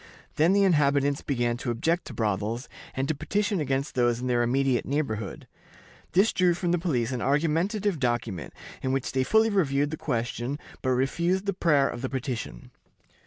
Then the inhabitants began to object to brothels, and to petition against those in their immediate neighborhood. This drew from the police an argumentative document, in which they fully reviewed the question, but refused the prayer of the petition.